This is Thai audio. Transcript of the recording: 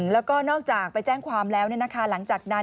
แล้วก็นอกจากไปแจ้งความแล้วหลังจากนั้น